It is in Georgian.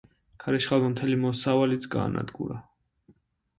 ქარიშხალმა მთელი მოსავალიც გაანადგურა.